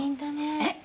えっ？